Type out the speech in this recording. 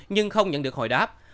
nhưng không nhận được hỏi đáp